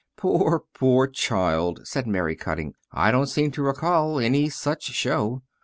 "Poor, poor child," said Mary Cutting, "I don't seem to recall any such show."